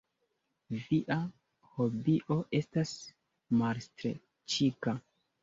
Via hobio estas malstreĉiga.